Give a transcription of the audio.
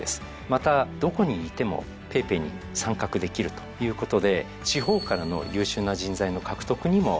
またどこにいてもＰａｙＰａｙに参画できるということで地方からの優秀な人材の獲得にも大変効果が出てきております。